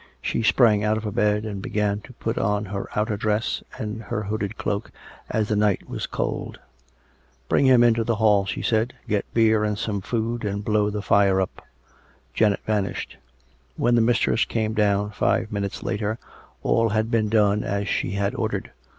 She sprang out of bed and began to put on her outer dress and her hooded cloak, as the night was cold. " Bring him into the hall," she said. " Get beer and some food, and blow the fire up." COME RACK! COME ROPE! 333 Janet vanished. When the mistress came down five minutes later, all had been done as she had ordered.